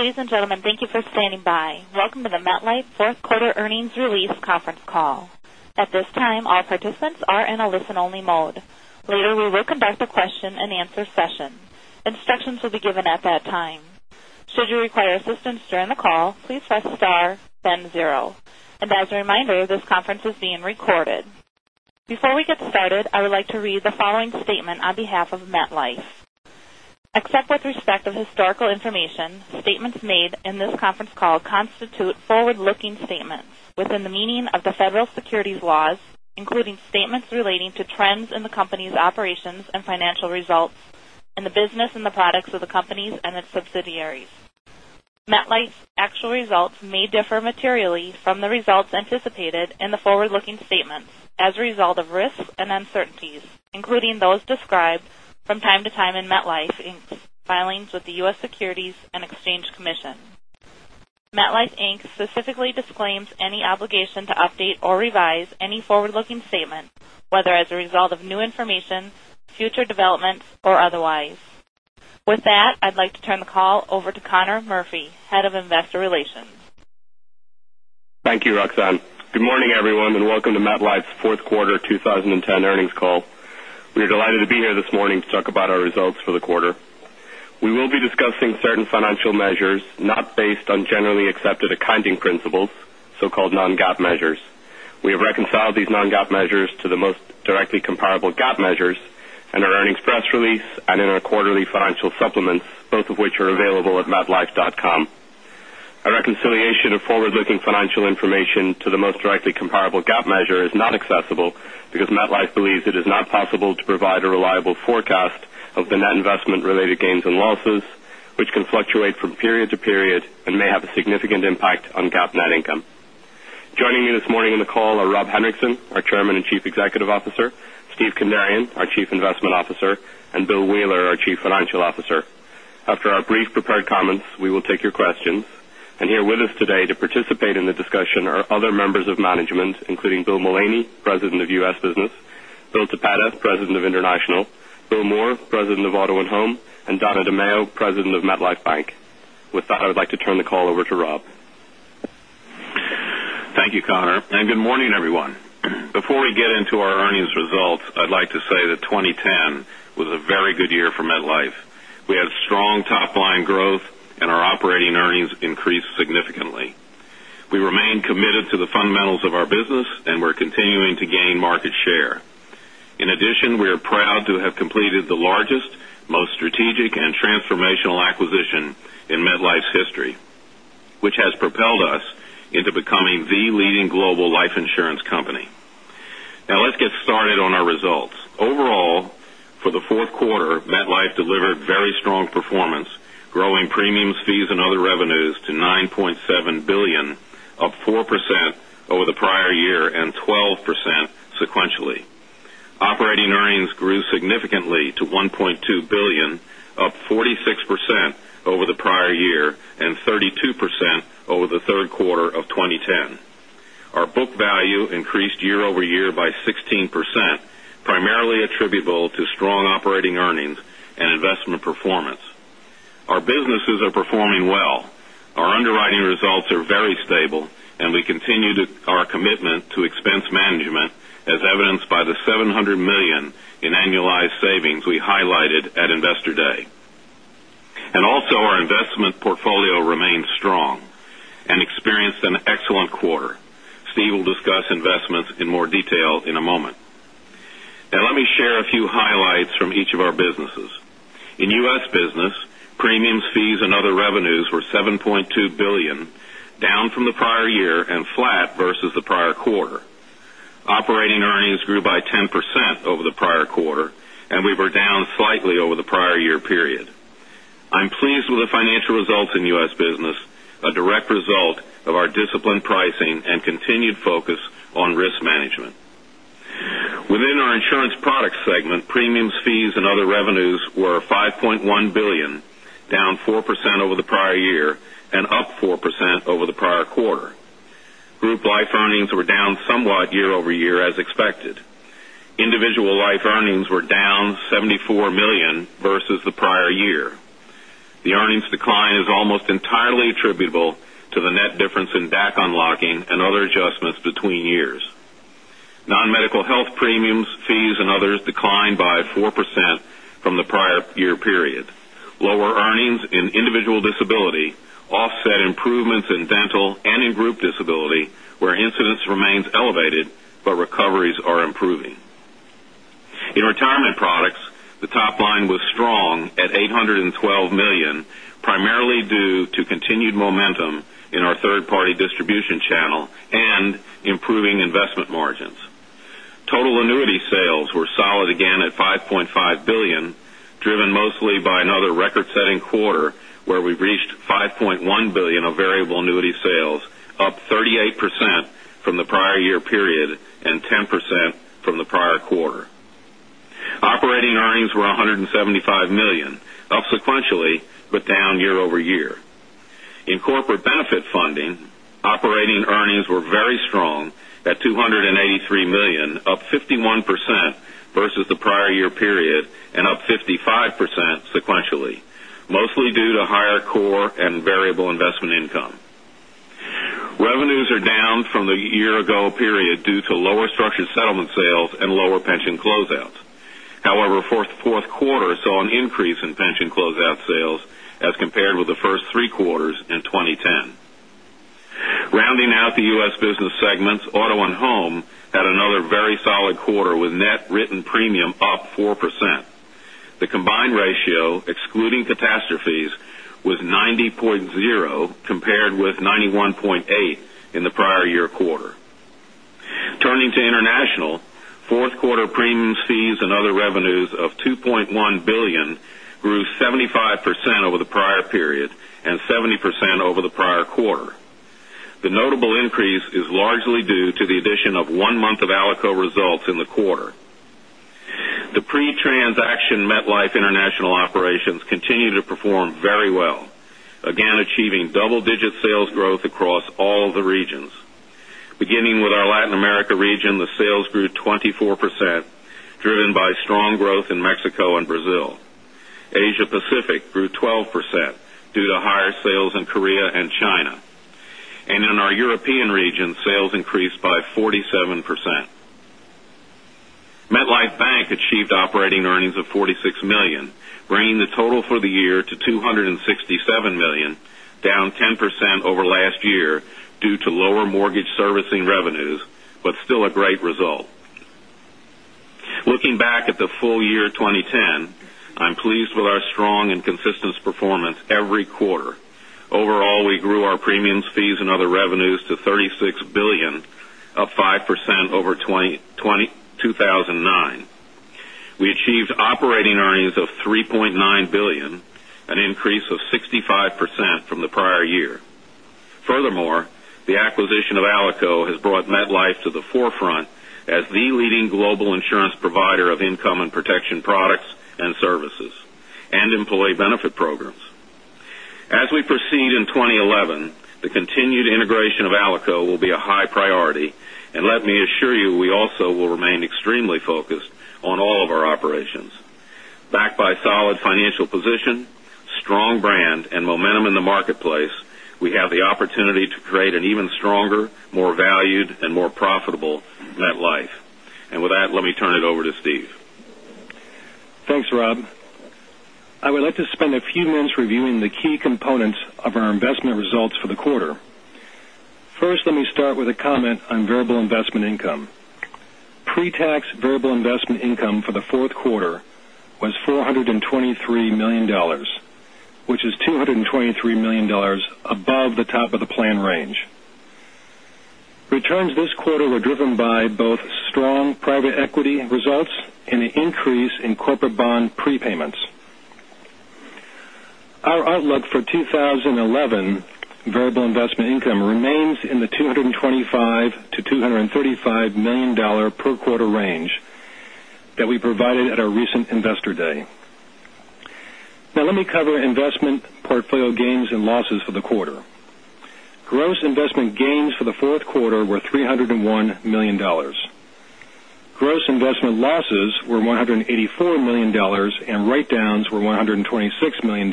Ladies and gentlemen, thank you for standing by. Welcome to the MetLife fourth quarter earnings release conference call. At this time, all participants are in a listen-only mode. Later, we will conduct a question-and-answer session. Instructions will be given at that time. Should you require assistance during the call, please press star then zero. As a reminder, this conference is being recorded. Before we get started, I would like to read the following statement on behalf of MetLife. Except with respect of historical information, statements made in this conference call constitute forward-looking statements within the meaning of the federal securities laws, including statements relating to trends in the company's operations and financial results, and the business and the products of the companies and its subsidiaries. MetLife's actual results may differ materially from the results anticipated in the forward-looking statements as a result of risks and uncertainties, including those described from time to time in MetLife, Inc.'s filings with the U.S. Securities and Exchange Commission. MetLife, Inc. specifically disclaims any obligation to update or revise any forward-looking statement, whether as a result of new information, future developments, or otherwise. With that, I'd like to turn the call over to Conor Murphy, Head of Investor Relations. Thank you, Roxanne. Good morning, everyone, welcome to MetLife's fourth quarter 2010 earnings call. We are delighted to be here this morning to talk about our results for the quarter. We will be discussing certain financial measures not based on generally accepted accounting principles, so-called non-GAAP measures. We have reconciled these non-GAAP measures to the most directly comparable GAAP measures in our earnings press release and in our quarterly financial supplements, both of which are available at metlife.com. A reconciliation of forward-looking financial information to the most directly comparable GAAP measure is not accessible because MetLife believes it is not possible to provide a reliable forecast of the net investment-related gains and losses, which can fluctuate from period to period and may have a significant impact on GAAP net income. Joining me this morning on the call are Rob Henrikson, our Chairman and Chief Executive Officer, Steve Kandarian, our Chief Investment Officer, Bill Wheeler, our Chief Financial Officer. After our brief prepared comments, we will take your questions. Here with us today to participate in the discussion are other members of management, including Bill Mullaney, President of U.S. Business, Bill Toppeta, President of International, Bill Moore, President of Auto & Home, Donna DeMaio, President of MetLife Bank. With that, I would like to turn the call over to Rob. Thank you, Conor, and good morning, everyone. Before we get into our earnings results, I would like to say that 2010 was a very good year for MetLife. We had strong top-line growth, and our operating earnings increased significantly. We remain committed to the fundamentals of our business, and we are continuing to gain market share. In addition, we are proud to have completed the largest, most strategic, and transformational acquisition in MetLife's history, which has propelled us into becoming the leading global life insurance company. Now let's get started on our results. Overall, for the fourth quarter, MetLife delivered very strong performance, growing premiums, fees, and other revenues to $9.7 billion, up 4% over the prior year and 12% sequentially. Operating earnings grew significantly to $1.2 billion, up 46% over the prior year and 32% over the third quarter of 2010. Our book value increased year-over-year by 16%, primarily attributable to strong operating earnings and investment performance. Our businesses are performing well. Our underwriting results are very stable, and we continue our commitment to expense management, as evidenced by the $700 million in annualized savings we highlighted at Investor Day. Also, our investment portfolio remains strong and experienced an excellent quarter. Steve will discuss investments in more detail in a moment. Now let me share a few highlights from each of our businesses. In U.S. Business, premiums, fees, and other revenues were $7.2 billion, down from the prior year and flat versus the prior quarter. Operating earnings grew by 10% over the prior quarter, and we were down slightly over the prior year period. I am pleased with the financial results in U.S. Business, a direct result of our disciplined pricing and continued focus on risk management. Within our insurance products segment, premiums, fees, and other revenues were $5.1 billion, down 4% over the prior year and up 4% over the prior quarter. Group life earnings were down somewhat year-over-year as expected. Individual life earnings were down $74 million versus the prior year. The earnings decline is almost entirely attributable to the net difference in DAC unlocking and other adjustments between years. Non-medical health premiums, fees, and others declined by 4% from the prior year period. Lower earnings in individual disability offset improvements in dental and in group disability, where incidents remains elevated, but recoveries are improving. In retirement products, the top line was strong at $812 million, primarily due to continued momentum in our third-party distribution channel and improving investment margins. Total annuity sales were solid again at $5.5 billion, driven mostly by another record-setting quarter where we reached $5.1 billion of variable annuity sales, up 38% from the prior year period and 10% from the prior quarter. Operating earnings were $175 million, up sequentially but down year-over-year. In corporate benefit funding, operating earnings were very strong at $283 million, up 51% versus the prior year period and up 55% sequentially, mostly due to higher core and variable investment income. Revenues are down from the year-ago period due to lower structured settlement sales and lower pension closeouts. Fourth quarter saw an increase in pension closeout sales as compared with the first three quarters in 2010. Rounding out the U.S. business segments, Auto & Home had another very solid quarter with net written premium up 4%. The combined ratio, excluding catastrophes, was 90.0, compared with 91.8 in the prior year quarter. Turning to international, fourth quarter premiums, fees, and other revenues of $2.1 billion grew 75% over the prior period and 70% over the prior quarter. The notable increase is largely due to the addition of one month of ALICO results in the quarter. The pre-transaction MetLife international operations continue to perform very well, again achieving double-digit sales growth across all the regions. Beginning with our Latin America region, the sales grew 24%, driven by strong growth in Mexico and Brazil. Asia Pacific grew 12% due to higher sales in Korea and China. In our European region, sales increased by 47%. MetLife Bank achieved operating earnings of $46 million, bringing the total for the year to $267 million, down 10% over last year due to lower mortgage servicing revenues, but still a great result. Looking back at the full year 2010, I'm pleased with our strong and consistent performance every quarter. Overall, we grew our premiums, fees, and other revenues to $36 billion, up 5% over 2009. We achieved operating earnings of $3.9 billion, an increase of 65% from the prior year. Furthermore, the acquisition of ALICO has brought MetLife to the forefront as the leading global insurance provider of income and protection products and services and employee benefit programs. As we proceed in 2011, the continued integration of ALICO will be a high priority, and let me assure you, we also will remain extremely focused on all of our operations. Backed by solid financial position, strong brand, and momentum in the marketplace, we have the opportunity to create an even stronger, more valued, and more profitable MetLife. With that, let me turn it over to Steve. Thanks, Rob. I would like to spend a few minutes reviewing the key components of our investment results for the quarter. First, let me start with a comment on variable investment income. Pre-tax variable investment income for the fourth quarter was $423 million, which is $223 million above the top of the planned range. Returns this quarter were driven by both strong private equity results and an increase in corporate bond prepayments. Our outlook for 2011 variable investment income remains in the $225 million-$235 million per quarter range that we provided at our recent Investor Day. Let me cover investment portfolio gains and losses for the quarter. Gross investment gains for the fourth quarter were $301 million. Gross investment losses were $184 million, and write-downs were $126 million,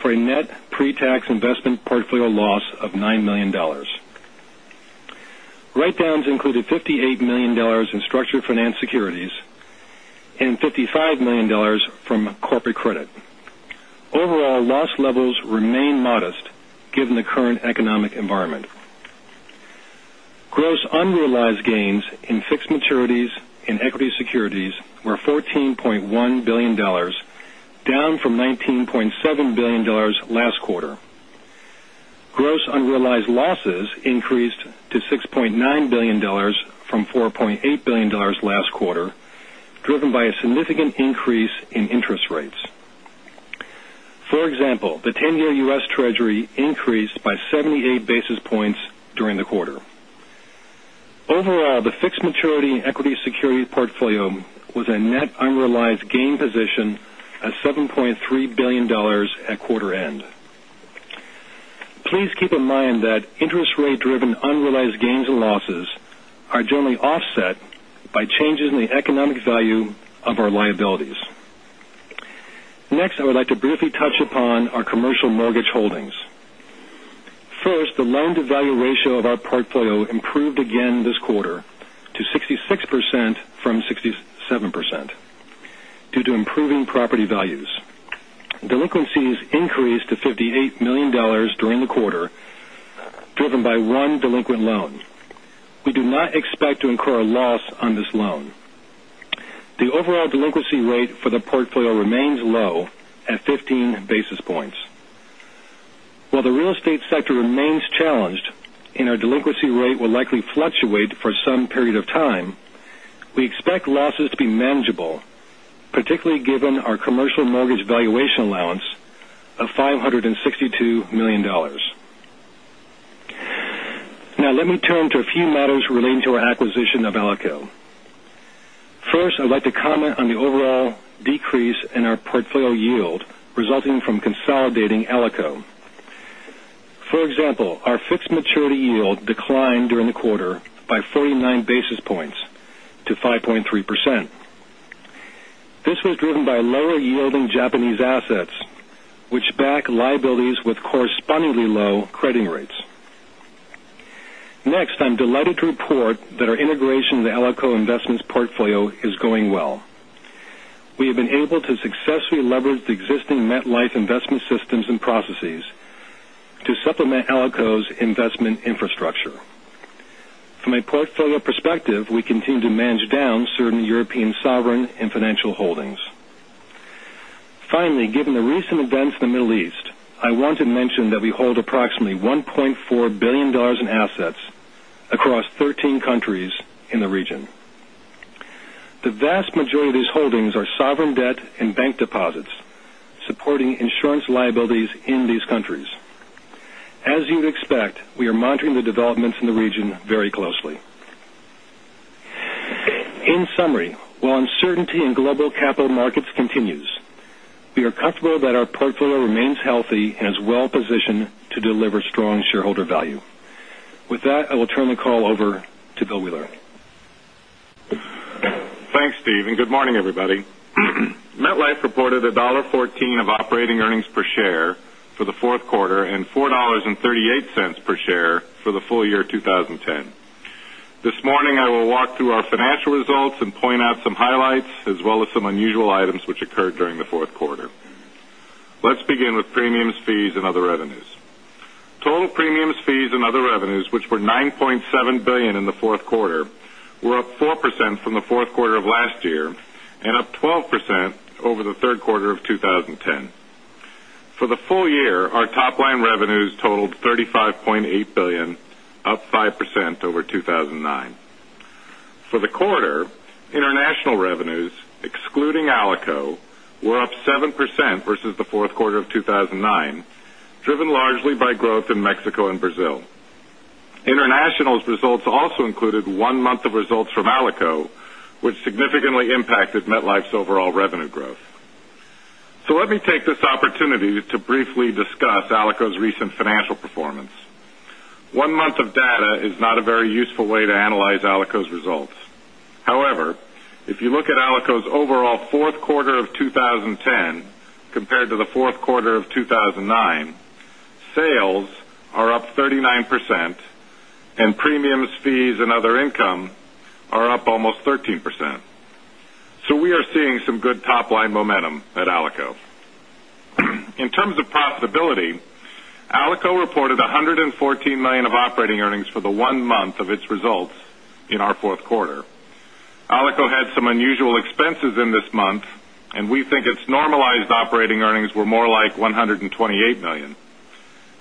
for a net pre-tax investment portfolio loss of $9 million. Write-downs included $58 million in structured finance securities and $55 million from corporate credit. Overall, loss levels remain modest given the current economic environment. Gross unrealized gains in fixed maturities in equity securities were $14.1 billion, down from $19.7 billion last quarter. Gross unrealized losses increased to $6.9 billion from $4.8 billion last quarter, driven by a significant increase in interest rates. For example, the 10-year U.S. Treasury increased by 78 basis points during the quarter. Overall, the fixed maturity equity security portfolio was a net unrealized gain position at $7.3 billion at quarter end. Please keep in mind that interest rate-driven unrealized gains and losses are generally offset by changes in the economic value of our liabilities. Next, I would like to briefly touch upon our commercial mortgage holdings. First, the loan-to-value ratio of our portfolio improved again this quarter to 66% from 67% due to improving property values. Delinquencies increased to $58 million during the quarter, driven by one delinquent loan. We do not expect to incur a loss on this loan. The overall delinquency rate for the portfolio remains low at 15 basis points. While the real estate sector remains challenged and our delinquency rate will likely fluctuate for some period of time, we expect losses to be manageable, particularly given our commercial mortgage valuation allowance of $562 million. Let me turn to a few models relating to our acquisition of ALICO. First, I'd like to comment on the overall decrease in our portfolio yield resulting from consolidating ALICO. For example, our fixed maturity yield declined during the quarter by 49 basis points to 5.3%. This was driven by lower yielding Japanese assets, which back liabilities with correspondingly low crediting rates. Next, I'm delighted to report that our integration of the ALICO Investments portfolio is going well. We have been able to successfully leverage the existing MetLife investment systems and processes to supplement ALICO's investment infrastructure. From a portfolio perspective, we continue to manage down certain European sovereign and financial holdings. Finally, given the recent events in the Middle East, I want to mention that we hold approximately $1.4 billion in assets across 13 countries in the region. The vast majority of these holdings are sovereign debt and bank deposits, supporting insurance liabilities in these countries. As you'd expect, we are monitoring the developments in the region very closely. In summary, while uncertainty in global capital markets continues, we are comfortable that our portfolio remains healthy and is well-positioned to deliver strong shareholder value. With that, I will turn the call over to Bill Wheeler. Thanks, Steve, good morning, everybody. MetLife reported $1.14 of operating earnings per share for the fourth quarter and $4.38 per share for the full year 2010. This morning, I will walk through our financial results and point out some highlights, as well as some unusual items which occurred during the fourth quarter. Let's begin with premiums, fees, and other revenues. Total premiums, fees, and other revenues, which were $9.7 billion in the fourth quarter, were up 4% from the fourth quarter of last year and up 12% over the third quarter of 2010. For the full year, our top-line revenues totaled $35.8 billion, up 5% over 2009. For the quarter, international revenues, excluding ALICO, were up 7% versus the fourth quarter of 2009, driven largely by growth in Mexico and Brazil. International's results also included one month of results from ALICO, which significantly impacted MetLife's overall revenue growth. Let me take this opportunity to briefly discuss ALICO's recent financial performance. One month of data is not a very useful way to analyze ALICO's results. However, if you look at ALICO's overall fourth quarter of 2010 compared to the fourth quarter of 2009, sales are up 39% and premiums, fees, and other income are up almost 13%. We are seeing some good top-line momentum at ALICO. In terms of profitability, ALICO reported $114 million of operating earnings for the one month of its results in our fourth quarter. ALICO had some unusual expenses in this month, and we think its normalized operating earnings were more like $128 million.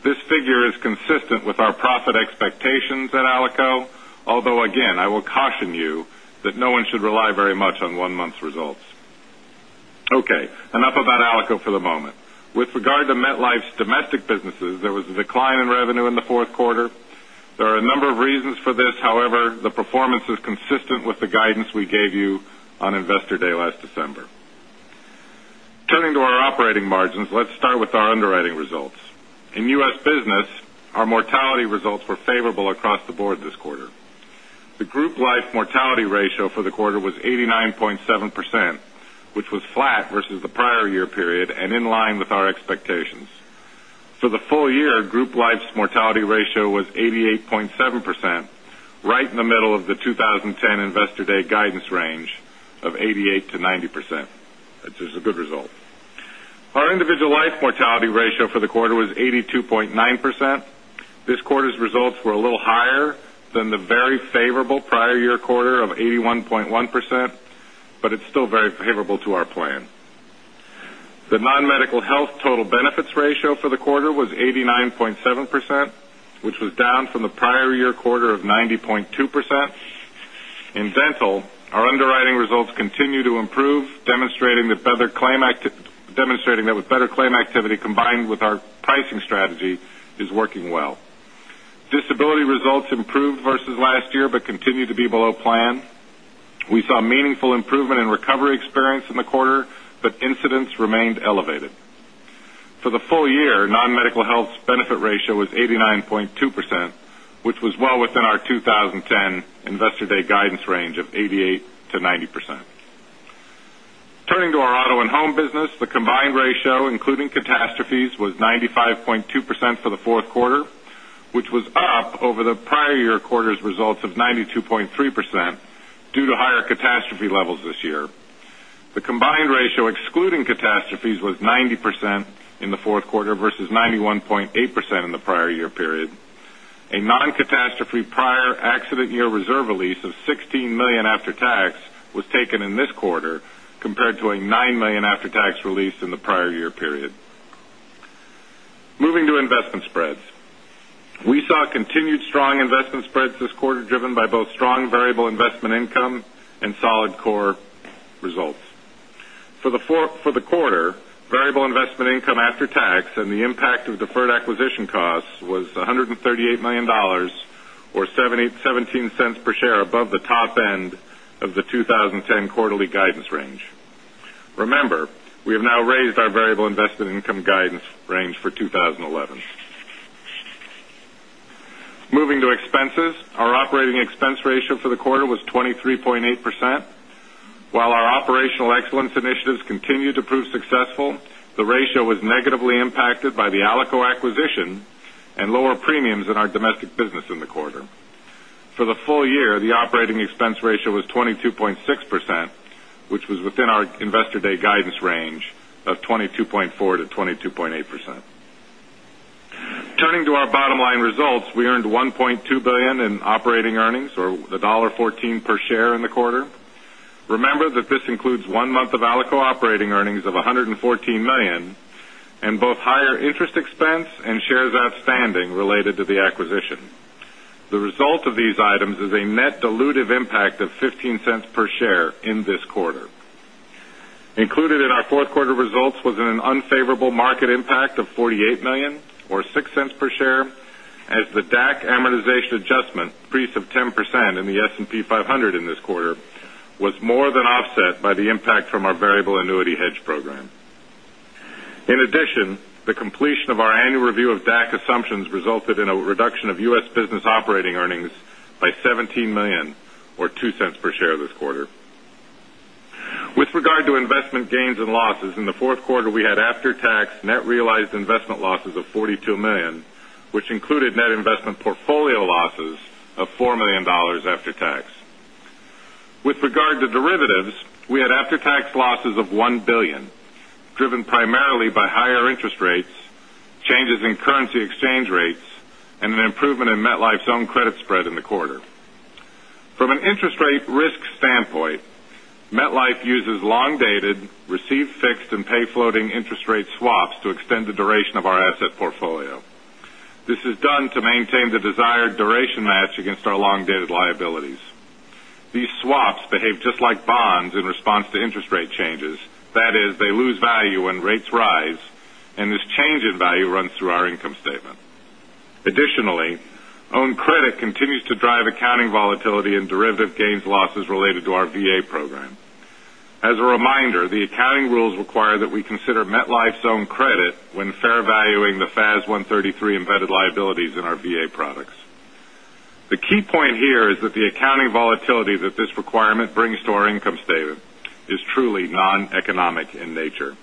This figure is consistent with our profit expectations at ALICO, although again, I will caution you that no one should rely very much on one month's results. Enough about ALICO for the moment. With regard to MetLife's domestic businesses, there was a decline in revenue in the fourth quarter. There are a number of reasons for this. However, the performance is consistent with the guidance we gave you on Investor Day last December. Turning to our operating margins, let's start with our underwriting results. In U.S. business, our mortality results were favorable across the board this quarter. The Group Life mortality ratio for the quarter was 89.7%, which was flat versus the prior year period and in line with our expectations. For the full year, Group Life's mortality ratio was 88.7%, right in the middle of the 2010 Investor Day guidance range of 88%-90%. That is a good result. Our Individual Life mortality ratio for the quarter was 82.9%. This quarter's results were a little higher than the very favorable prior year quarter of 81.1%, but it's still very favorable to our plan. The non-medical health total benefits ratio for the quarter was 89.7%, which was down from the prior year quarter of 90.2%. In dental, our underwriting results continue to improve, demonstrating that with better claim activity combined with our pricing strategy is working well. Disability results improved versus last year but continue to be below plan. We saw meaningful improvement in recovery experience in the quarter, but incidents remained elevated. For the full year, non-medical health's benefit ratio was 89.2%, which was well within our 2010 Investor Day guidance range of 88%-90%. Turning to our auto and home business, the combined ratio, including catastrophes, was 95.2% for the fourth quarter, which was up over the prior year quarter's results of 92.3% due to higher catastrophe levels this year. The combined ratio excluding catastrophes was 90% in the fourth quarter versus 91.8% in the prior year period. A non-catastrophe prior accident year reserve release of $16 million after-tax was taken in this quarter compared to a $9 million after-tax release in the prior year period. Moving to investment spreads. We saw continued strong investment spreads this quarter, driven by both strong variable investment income and solid core results. For the quarter, variable investment income after-tax and the impact of deferred acquisition costs was $138 million, or $0.17 per share above the top end of the 2010 quarterly guidance range. Remember, we have now raised our variable invested income guidance range for 2011. Moving to expenses, our operating expense ratio for the quarter was 23.8%. While our operational excellence initiatives continue to prove successful, the ratio was negatively impacted by the ALICO acquisition and lower premiums in our domestic business in the quarter. For the full year, the operating expense ratio was 22.6%, which was within our Investor Day guidance range of 22.4%-22.8%. Turning to our bottom line results, we earned $1.2 billion in operating earnings, or $1.14 per share in the quarter. Remember that this includes one month of ALICO operating earnings of $114 million, and both higher interest expense and shares outstanding related to the acquisition. The result of these items is a net dilutive impact of $0.15 per share in this quarter. Included in our fourth quarter results was an unfavorable market impact of $48 million, or $0.06 per share, as the DAC amortization adjustment increase of 10% in the S&P 500 in this quarter was more than offset by the impact from our variable annuity hedge program. In addition, the completion of our annual review of DAC assumptions resulted in a reduction of U.S. business operating earnings by $17 million, or $0.02 per share this quarter. With regard to investment gains and losses, in the fourth quarter, we had after-tax net realized investment losses of $42 million, which included net investment portfolio losses of $4 million after tax. With regard to derivatives, we had after-tax losses of $1 billion, driven primarily by higher interest rates, changes in currency exchange rates, and an improvement in MetLife's own credit spread in the quarter. From an interest rate risk standpoint, MetLife uses long-dated receive fixed and pay floating interest rate swaps to extend the duration of our asset portfolio. This is done to maintain the desired duration match against our long-dated liabilities. These swaps behave just like bonds in response to interest rate changes. That is, they lose value when rates rise, and this change in value runs through our income statement. Additionally, own credit continues to drive accounting volatility and derivative gains losses related to our VA program. As a reminder, the accounting rules require that we consider MetLife's own credit when fair valuing the FAS 133 embedded liabilities in our VA products. The key point here is that the accounting volatility that this requirement brings to our income statement is truly noneconomic in nature.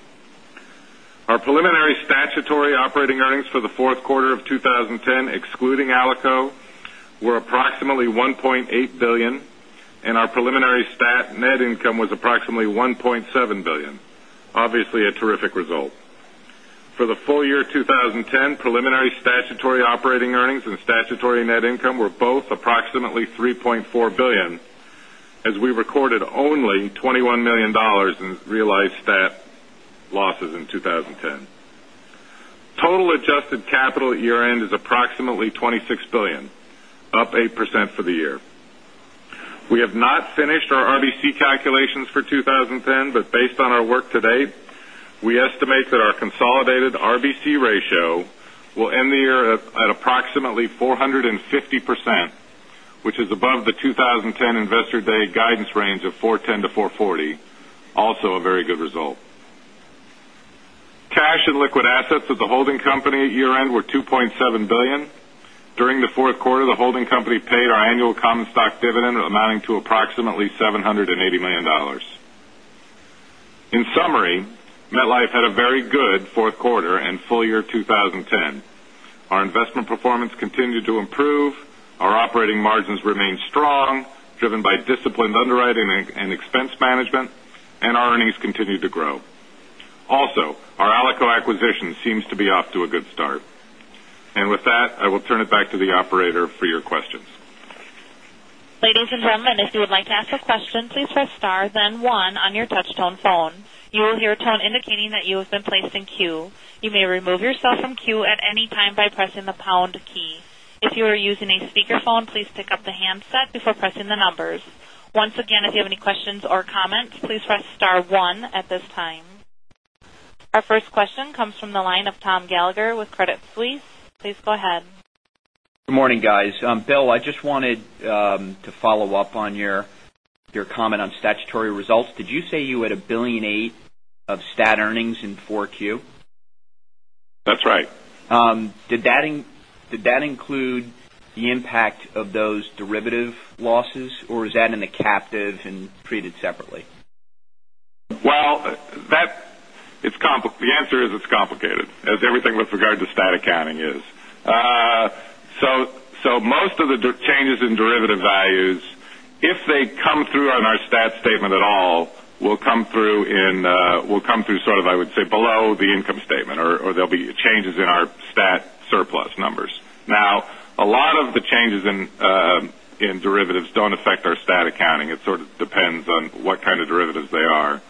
Our preliminary statutory operating earnings for the fourth quarter of 2010, excluding ALICO, were approximately $1.8 billion, and our preliminary stat net income was approximately $1.7 billion. Obviously, a terrific result. For the full year 2010, preliminary statutory operating earnings and statutory net income were both approximately $3.4 billion, as we recorded only $21 million in realized stat losses in 2010. Total adjusted capital at year-end is approximately $26 billion, up 8% for the year. We have not finished our RBC calculations for 2010, but based on our work to date, we estimate that our consolidated RBC ratio will end the year at approximately 450%, which is above the 2010 Investor Day guidance range of 410%-440%. Also, a very good result. Cash and liquid assets of the holding company at year-end were $2.7 billion. During the fourth quarter, the holding company paid our annual common stock dividend amounting to approximately $780 million. In summary, MetLife had a very good fourth quarter and full year 2010. Our investment performance continued to improve, our operating margins remained strong, driven by disciplined underwriting and expense management, and our earnings continued to grow. Also, our ALICO acquisition seems to be off to a good start. With that, I will turn it back to the operator for your questions. Ladies and gentlemen, if you would like to ask a question, please press star then 1 on your touch tone phone. You will hear a tone indicating that you have been placed in queue. You may remove yourself from queue at any time by pressing the pound key. If you are using a speakerphone, please pick up the handset before pressing the numbers. Once again, if you have any questions or comments, please press star 1 at this time. Our first question comes from the line of Thomas Gallagher with Credit Suisse. Please go ahead. Good morning, guys. Bill, I just wanted to follow up on your comment on statutory results. Did you say you had $1.8 billion of stat earnings in 4Q? That's right. Did that include the impact of those derivative losses, or is that in the captive and treated separately? Well, the answer is it's complicated, as everything with regard to stat accounting is. Most of the changes in derivative values, if they come through on our stat statement at all, will come through sort of, I would say, below the income statement, or there'll be changes in our stat surplus numbers. A lot of the changes in derivatives don't affect our stat accounting. It sort of depends on what kind of derivatives they are.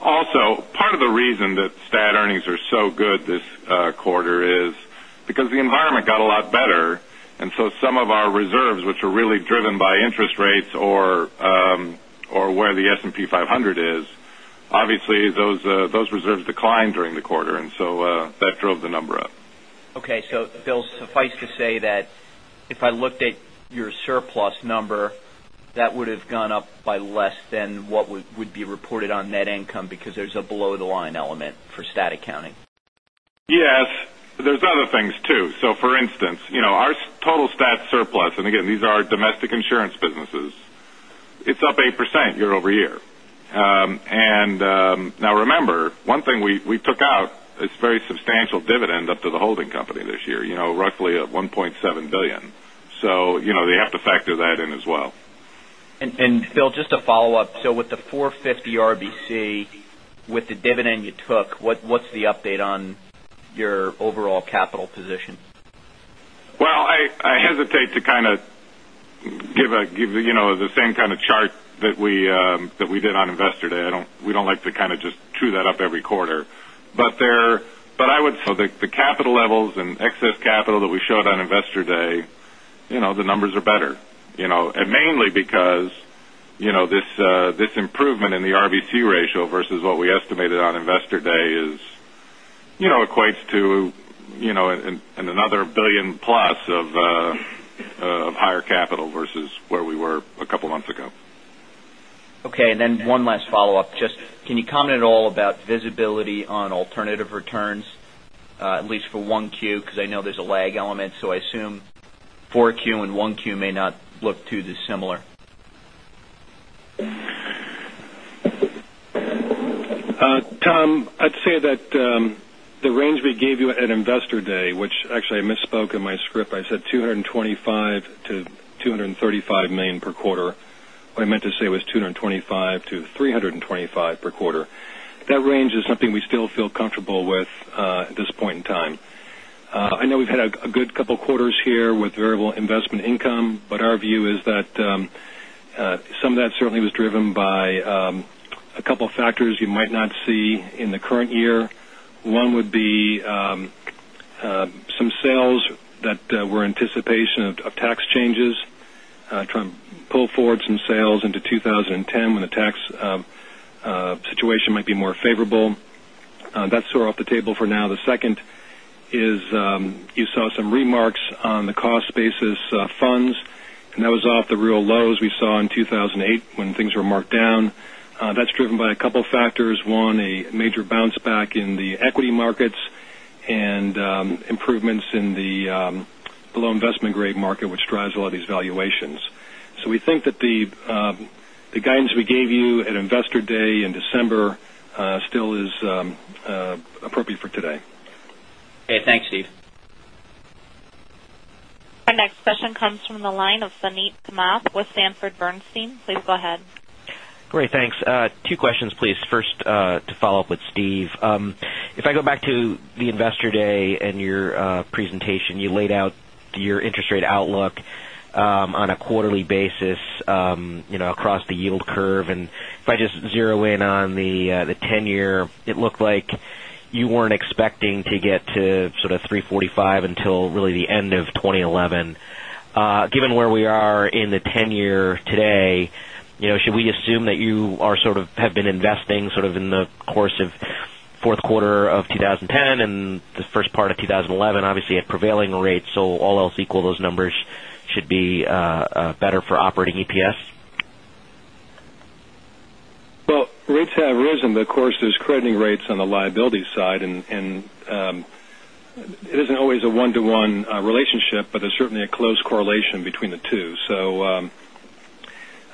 Part of the reason that stat earnings are so good this quarter is because the environment got a lot better, and so some of our reserves, which are really driven by interest rates or where the S&P 500 is, obviously those reserves declined during the quarter, and so that drove the number up. Okay. Bill, suffice to say that if I looked at your surplus number, that would've gone up by less than what would be reported on net income because there's a below-the-line element for stat accounting. Yes. There's other things, too. For instance, our total stat surplus, and again, these are our domestic insurance businesses, it's up 8% year-over-year. Remember, one thing we took out, it's a very substantial dividend up to the holding company this year, roughly at $1.7 billion. You have to factor that in as well. Bill, just a follow-up. With the 450 RBC, with the dividend you took, what's the update on your overall capital position? I hesitate to kind of give the same kind of chart that we did on Investor Day. We don't like to kind of just chew that up every quarter. I would say the capital levels and excess capital that we showed on Investor Day, the numbers are better. Mainly because this improvement in the RBC ratio versus what we estimated on Investor Day equates to another $1 billion plus of higher capital versus where we were a couple of months ago. One last follow-up. Can you comment at all about visibility on alternative returns, at least for 1Q, because I know there's a lag element, so I assume 4Q and 1Q may not look too dissimilar. Tom, I'd say that the range we gave you at Investor Day, which actually I misspoke in my script. I said $225 million to $235 million per quarter. What I meant to say was $225 million to $325 million per quarter. That range is something we still feel comfortable with at this point in time. I know we've had a good couple of quarters here with variable investment income, our view is that some of that certainly was driven by a couple of factors you might not see in the current year. One would be some sales that were in anticipation of tax changes, trying to pull forward some sales into 2010 when the tax situation might be more favorable. That's sort of off the table for now. The second is you saw some remarks on the cost basis funds, that was off the real lows we saw in 2008 when things were marked down. That's driven by a couple factors. One, a major bounce back in the equity markets and improvements in the below investment-grade market, which drives a lot of these valuations. We think that the guidance we gave you at Investor Day in December still is appropriate for today. Okay. Thanks, Steve. Our next question comes from the line of Suneet Kamath with Sanford C. Bernstein. Please go ahead. Great. Thanks. Two questions, please. First, to follow up with Steve. If I go back to the Investor Day and your presentation, you laid out your interest rate outlook on a quarterly basis across the yield curve. If I just zero in on the 10-year, it looked like you weren't expecting to get to sort of 345 until really the end of 2011. Given where we are in the 10-year today, should we assume that you have been investing sort of in the course of fourth quarter of 2010 and the first part of 2011, obviously at prevailing rates, all else equal, those numbers should be better for operating EPS? Well, rates have risen, of course, there's crediting rates on the liability side, it isn't always a one-to-one relationship, there's certainly a close correlation between the two.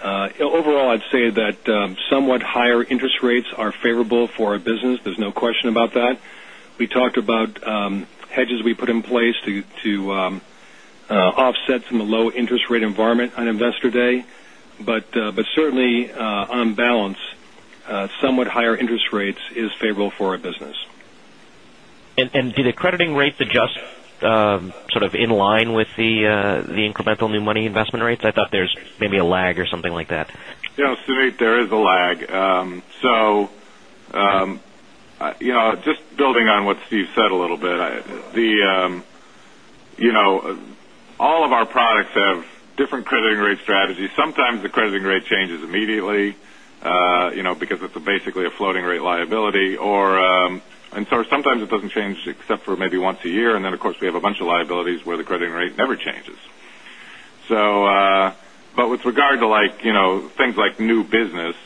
Overall, I'd say that somewhat higher interest rates are favorable for our business. There's no question about that. We talked about hedges we put in place to offset some of the low interest rate environment on Investor Day. Certainly, on balance, somewhat higher interest rates is favorable for our business. Do the crediting rates adjust sort of in line with the incremental new money investment rates? I thought there's maybe a lag or something like that. Yes, Suneet, there is a lag. Just building on what Steve said a little bit. All of our products have different crediting rate strategies. Sometimes the crediting rate changes immediately because it's basically a floating rate liability. Sometimes it doesn't change except for maybe once a year. Then, of course, we have a bunch of liabilities where the crediting rate never changes. With regard to things like new business,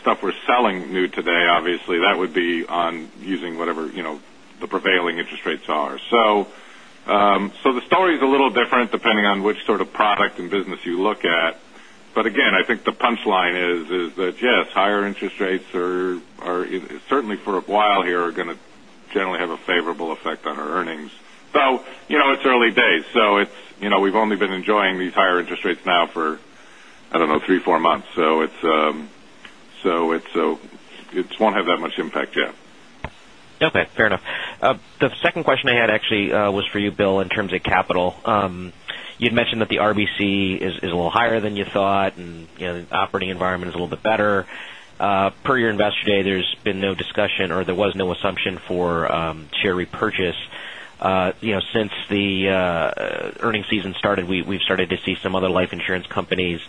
stuff we're selling new today, obviously that would be on using whatever the prevailing interest rates are. The story's a little different depending on which sort of product and business you look at. Again, I think the punchline is that yes, higher interest rates are certainly for a while here are going to generally have a favorable effect on our earnings. It's early days. We've only been enjoying these higher interest rates now for, I don't know, three, four months. It won't have that much impact yet. Okay. Fair enough. The second question I had actually was for you, Bill, in terms of capital. You'd mentioned that the RBC is a little higher than you thought, and the operating environment is a little bit better. Per your Investor Day, there's been no discussion or there was no assumption for share repurchase. Since the earnings season started, we've started to see some other life insurance companies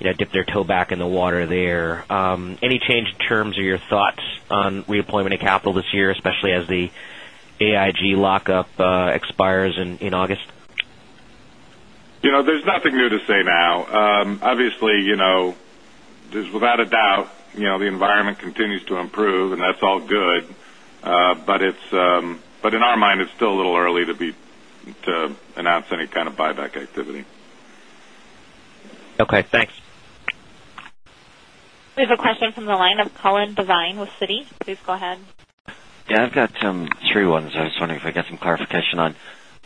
dip their toe back in the water there. Any change in terms of your thoughts on redeployment of capital this year, especially as the AIG lockup expires in August? There's nothing new to say now. Obviously, without a doubt, the environment continues to improve, and that's all good. In our mind, it's still a little early to announce any kind of buyback activity. Okay, thanks. We have a question from the line of Colin Devine with Citi. Please go ahead. Yeah, I've got three ones I was wondering if I could get some clarification on.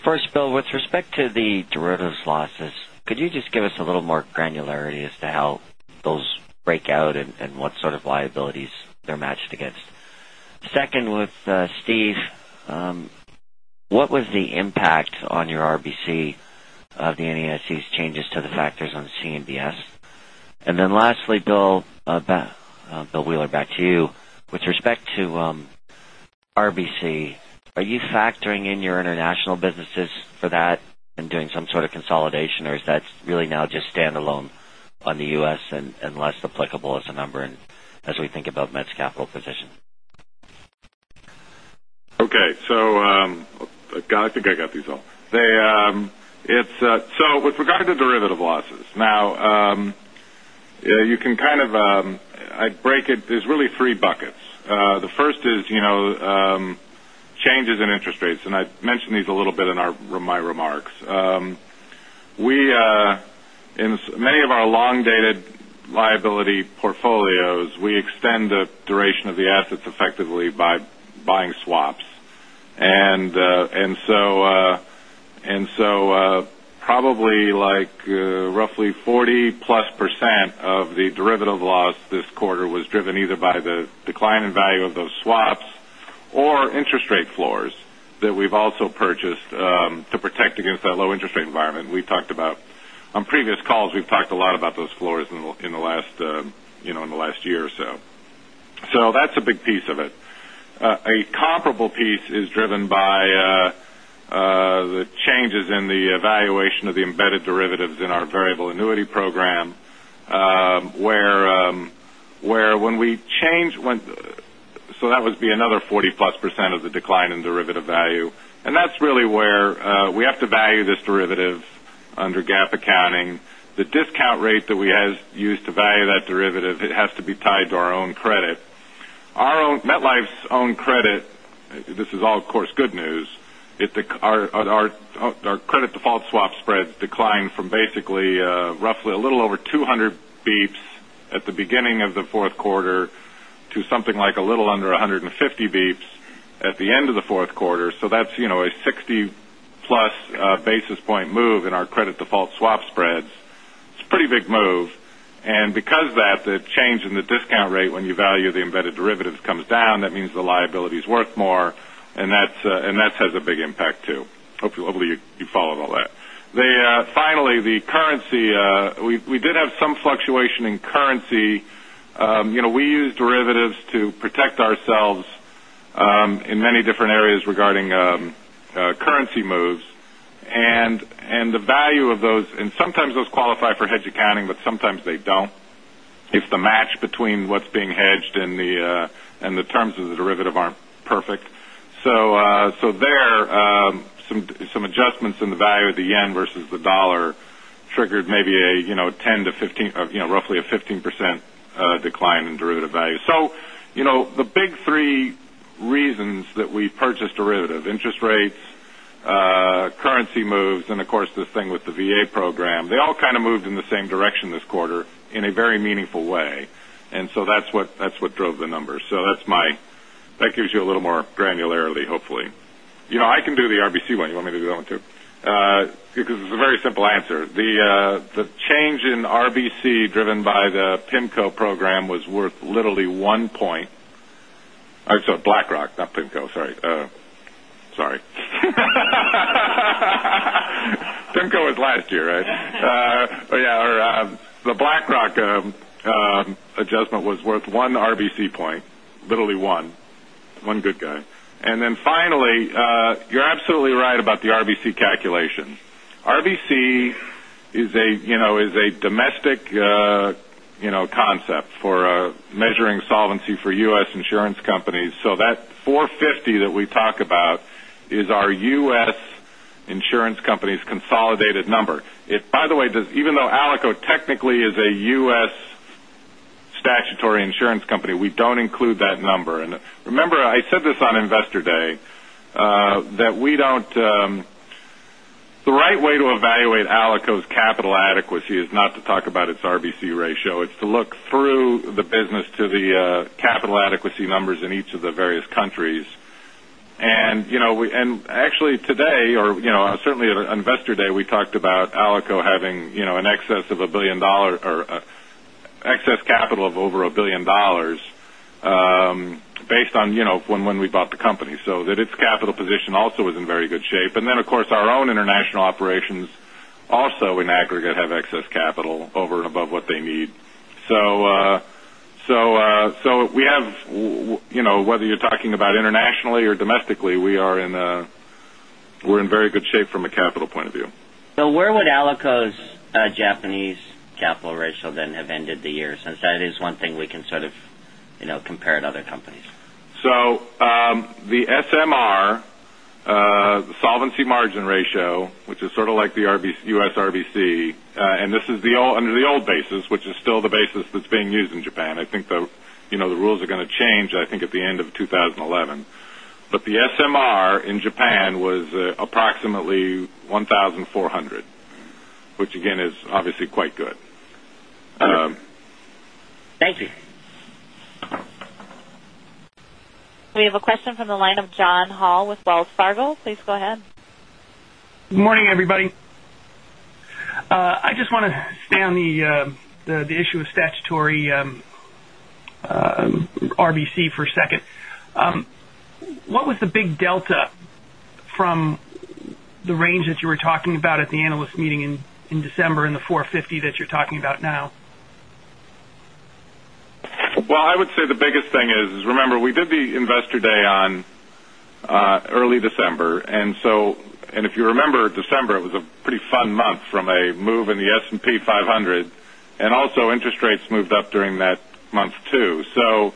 First, Bill, with respect to the derivatives losses, could you just give us a little more granularity as to how those break out and what sort of liabilities they're matched against? Second, with Steve, what was the impact on your RBC of the NAIC's changes to the factors on CMBS? Then lastly, Bill Wheeler, back to you. With respect to RBC, are you factoring in your international businesses for that and doing some sort of consolidation, or is that really now just standalone on the U.S. and less applicable as a number and as we think about Met's capital position? Okay. I think I got these all. With regard to derivative losses, I would break it. There is really three buckets. The first is changes in interest rates, and I mentioned these a little bit in my remarks. In many of our long-dated liability portfolios, we extend the duration of the assets effectively by buying swaps. Probably roughly 40+% of the derivative loss this quarter was driven either by the decline in value of those swaps or interest rate floors that we have also purchased to protect against that low interest rate environment we have talked about. On previous calls, we have talked a lot about those floors in the last year or so. That is a big piece of it. A comparable piece is driven by the changes in the evaluation of the embedded derivatives in our variable annuity program. That would be another 40+% of the decline in derivative value. That is really where we have to value this derivative under GAAP accounting. The discount rate that we use to value that derivative, it has to be tied to our own credit. MetLife's own credit, this is all, of course, good news. Our credit default swap spreads declined from basically roughly a little over 200 basis points at the beginning of the fourth quarter to something like a little under 150 basis points at the end of the fourth quarter. That is a 60+ basis point move in our credit default swap spreads. It is a pretty big move. Because of that, the change in the discount rate when you value the embedded derivatives comes down. That means the liability is worth more, and that has a big impact, too. Hopefully, you followed all that. Finally, the currency. We did have some fluctuation in currency. We use derivatives to protect ourselves in many different areas regarding currency moves. Sometimes those qualify for hedge accounting, but sometimes they do not if the match between what is being hedged and the terms of the derivative are not perfect. There, some adjustments in the value of the yen versus the dollar triggered maybe roughly a 15% decline in derivative value. The big three reasons that we purchased derivative, interest rates, currency moves, and of course, this thing with the VA program, they all kind of moved in the same direction this quarter in a very meaningful way. That is what drove the numbers. That gives you a little more granularity, hopefully. I can do the RBC one. You want me to do that one, too? Because it is a very simple answer. The change in RBC driven by the PIMCO program was worth literally one point. I am sorry, BlackRock, not PIMCO, sorry. PIMCO was last year, right? Yeah, the BlackRock adjustment was worth one RBC point, literally one. One good guy. Finally, you are absolutely right about the RBC calculation. RBC is a domestic concept for measuring solvency for U.S. insurance companies. That 450 that we talk about is our U.S. insurance company's consolidated number. By the way, even though ALICO technically is a U.S. statutory insurance company, we do not include that number. Remember, I said this on Investor Day, the right way to evaluate ALICO's capital adequacy is not to talk about its RBC ratio. It is to look through the business to the capital adequacy numbers in each of the various countries. Actually today, or certainly at Investor Day, we talked about ALICO having excess capital of over $1 billion based on when we bought the company. Its capital position also was in very good shape. Then, of course, our own international operations also in aggregate have excess capital over and above what they need. Whether you're talking about internationally or domestically, we're in very good shape from a capital point of view. Where would ALICO's Japanese capital ratio then have ended the year, since that is one thing we can sort of compare at other companies? The SMR, the solvency margin ratio, which is sort of like the U.S. RBC, and this is under the old basis, which is still the basis that's being used in Japan. I think the rules are going to change, I think, at the end of 2011. The SMR in Japan was approximately 1,400, which again, is obviously quite good. All right. Thank you. We have a question from the line of John Hall with Wells Fargo. Please go ahead. Good morning, everybody. I just want to stay on the issue of statutory RBC for a second. What was the big delta from the range that you were talking about at the analyst meeting in December and the 450 that you're talking about now? Well, I would say the biggest thing is, remember, we did the Investor Day on early December. If you remember, December was a pretty fun month from a move in the S&P 500, and also interest rates moved up during that month, too. For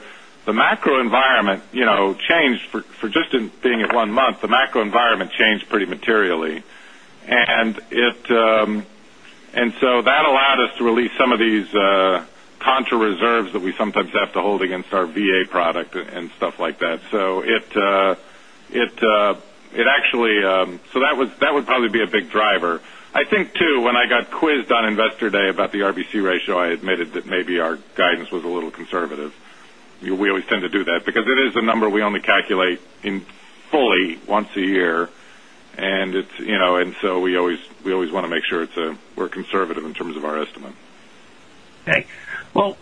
just being in one month, the macro environment changed pretty materially. That allowed us to release some of these contra reserves that we sometimes have to hold against our VA product and stuff like that. That would probably be a big driver. I think, too, when I got quizzed on Investor Day about the RBC ratio, I admitted that maybe our guidance was a little conservative. We always tend to do that because it is a number we only calculate fully once a year. We always want to make sure we're conservative in terms of our estimate. Okay. Well,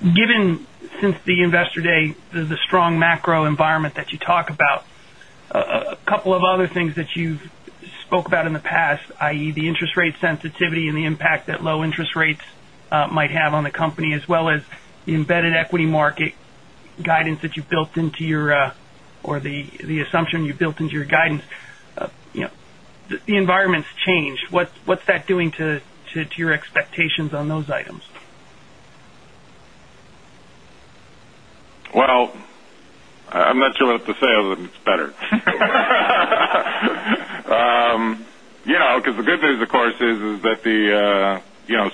given since the Investor Day, the strong macro environment that you talk about, a couple of other things that you've spoke about in the past, i.e., the interest rate sensitivity and the impact that low interest rates might have on the company, as well as the embedded equity market guidance that you built into or the assumption you built into your guidance. The environment's changed. What's that doing to your expectations on those items? I'm not sure what to say other than it's better. The good news, of course, is that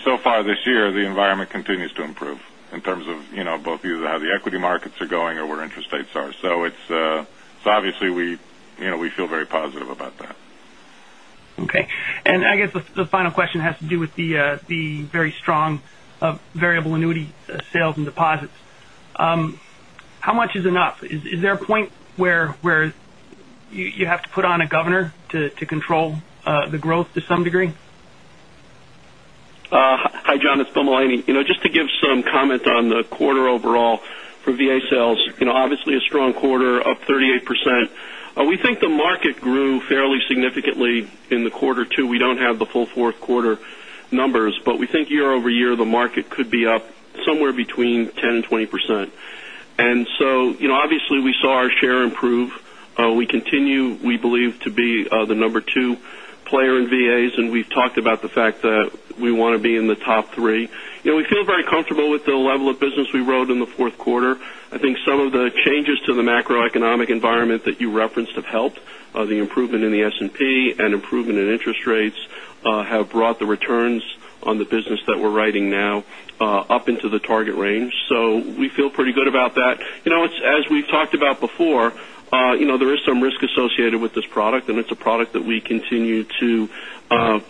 so far this year, the environment continues to improve in terms of both how the equity markets are going and where interest rates are. Obviously we feel very positive about that. Okay. I guess the final question has to do with the very strong variable annuity sales and deposits. How much is enough? Is there a point where you have to put on a governor to control the growth to some degree? Hi, John. It's Bill Mullaney. Just to give some comment on the quarter overall for VA sales. Obviously a strong quarter, up 38%. We think the market grew fairly significantly in the quarter, too. We don't have the full fourth quarter numbers, but we think year-over-year, the market could be up somewhere between 10% and 20%. Obviously we saw our share improve. We continue, we believe, to be the number 2 player in VAs, and we've talked about the fact that we want to be in the top 3. We feel very comfortable with the level of business we wrote in the fourth quarter. I think some of the changes to the macroeconomic environment that you referenced have helped. The improvement in the S&P and improvement in interest rates have brought the returns on the business that we're writing now up into the target range. We feel pretty good about that. As we've talked about before, there is some risk associated with this product, and it's a product that we continue to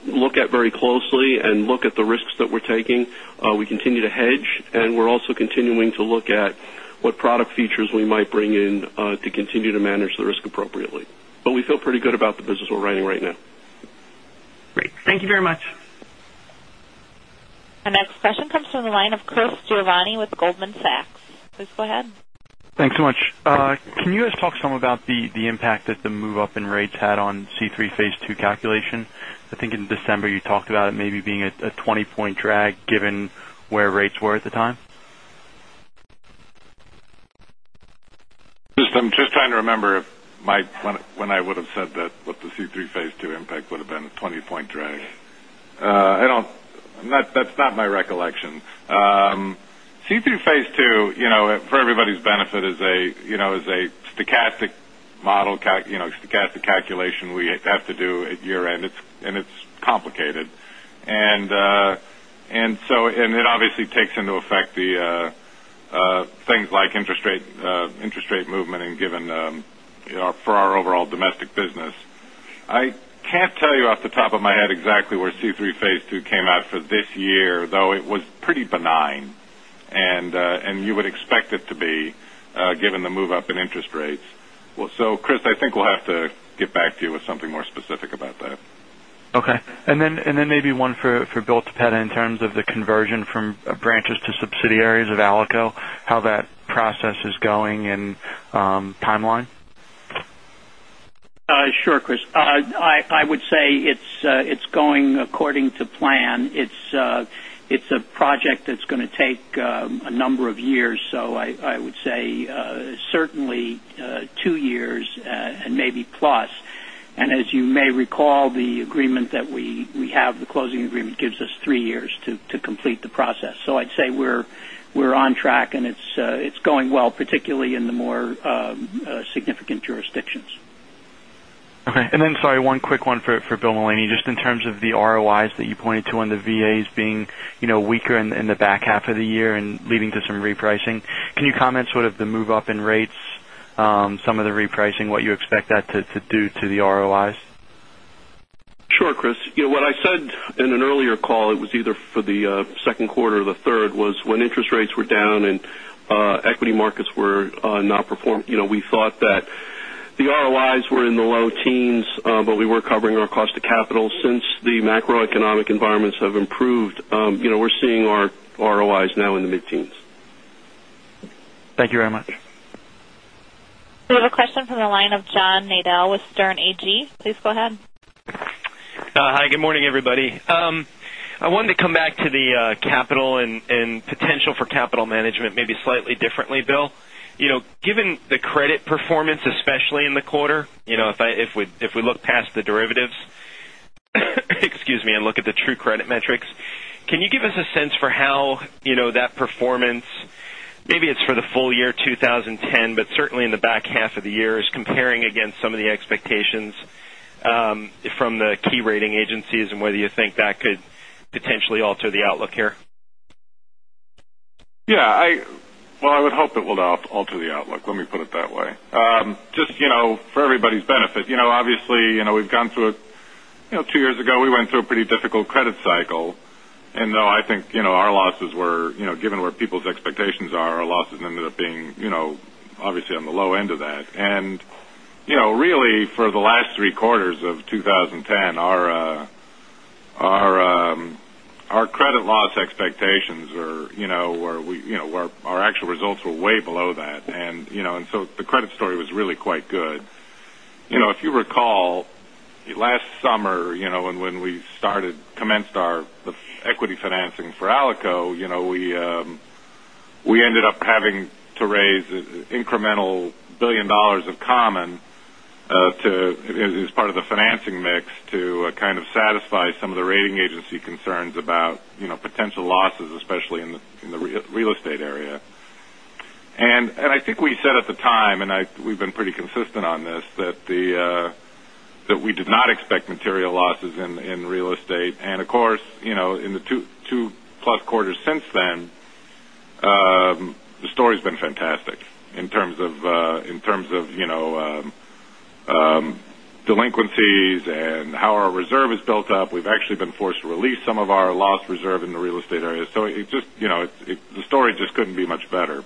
look at very closely and look at the risks that we're taking. We continue to hedge, and we're also continuing to look at what product features we might bring in to continue to manage the risk appropriately. We feel pretty good about the business we're writing right now. Great. Thank you very much. Our next question comes from the line of Chris Giovanni with Goldman Sachs. Please go ahead. Thanks so much. Can you guys talk some about the impact that the move up in rates had on C3 Phase II calculation? I think in December you talked about it maybe being a 20-point drag given where rates were at the time. I'm just trying to remember when I would have said that, what the C3 Phase II impact would have been a 20-point drag. That's not my recollection. C3 Phase II, for everybody's benefit, is a stochastic model, stochastic calculation we have to do at year-end, and it's complicated. It obviously takes into effect the things like interest rate movement for our overall domestic business. I can't tell you off the top of my head exactly where C3 Phase II came out for this year, though it was pretty benign, and you would expect it to be, given the move up in interest rates. Chris, I think we'll have to get back to you with something more specific about that. Okay. Maybe one for Bill Toppeta in terms of the conversion from branches to subsidiaries of ALICO, how that process is going and timeline. Sure, Chris. I would say it's going according to plan. It's a project that's going to take a number of years. I would say, certainly two years and maybe plus. As you may recall, the agreement that we have, the closing agreement gives us three years to complete the process. I'd say we're on track, and it's going well, particularly in the more significant jurisdictions. Okay. Sorry, one quick one for Bill Mullaney, just in terms of the ROIs that you pointed to and the VAs being weaker in the back half of the year and leading to some repricing. Can you comment sort of the move up in rates, some of the repricing, what you expect that to do to the ROIs? Sure, Chris. What I said in an earlier call, it was either for the second quarter or the third, was when interest rates were down and equity markets were not performing. We thought that the ROIs were in the low teens, but we were covering our cost of capital. Since the macroeconomic environments have improved, we're seeing our ROIs now in the mid-teens. Thank you very much. We have a question from the line of John Nadel with Sterne Agee. Please go ahead. Hi, good morning, everybody. I wanted to come back to the capital and potential for capital management, maybe slightly differently, Bill. Given the credit performance, especially in the quarter, if we look past the derivatives, and look at the true credit metrics, can you give us a sense for how that performance, maybe it's for the full year 2010, but certainly in the back half of the year, is comparing against some of the expectations from the key rating agencies and whether you think that could potentially alter the outlook here? Yeah. I would hope it will alter the outlook. Let me put it that way. Just for everybody's benefit, obviously, two years ago, we went through a pretty difficult credit cycle. Though I think, our losses were, given where people's expectations are, our losses ended up being obviously on the low end of that. Really for the last three quarters of 2010, our credit loss expectations are where our actual results were way below that. The credit story was really quite good. If you recall, last summer, when we started, commenced our equity financing for ALICO, we ended up having to raise incremental $1 billion of common as part of the financing mix to kind of satisfy some of the rating agency concerns about potential losses, especially in the real estate area. I think we said at the time, and we've been pretty consistent on this, that we did not expect material losses in real estate. Of course, in the two plus quarters since then, the story's been fantastic in terms of delinquencies and how our reserve is built up. We've actually been forced to release some of our loss reserve in the real estate area. The story just couldn't be much better.